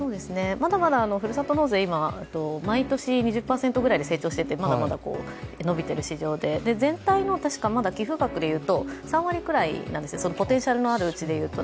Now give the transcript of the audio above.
まだまだふるさと納税毎年２０％ぐらい成長していっててまだまだ伸びている市場で全体のまだ寄付額でいうと３割くらいなんですよ、ポテンシャルのあるうちでいうと。